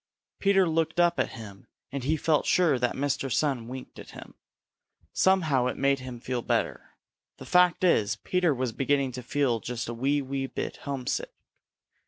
Peter looked up at him, and he felt sure that Mr. Sun winked at him. Somehow it made him feel better. The fact is, Peter was beginning to feel just a wee, wee bit homesick.